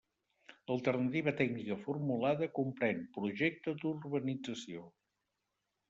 L'alternativa tècnica formulada comprén projecte d'urbanització.